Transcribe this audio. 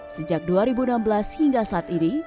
sejak dua ribu enam belas hingga saat ini